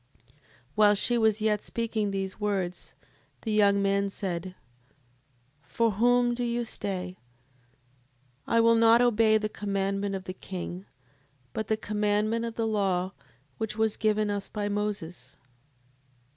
7:30. While she was yet speaking these words, the young man said: For whom do you stay? I will not obey the commandment of the king, but the commandment of the law which was given us by Moses.